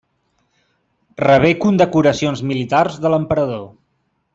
Rebé condecoracions militars de l'emperador.